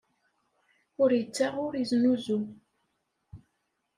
Ur ittaɣ, ur iznuzu.